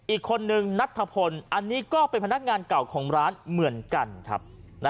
อีกคนนึงนัทธพลอันนี้ก็เป็นพนักงานเก่าของร้านเหมือนกันครับ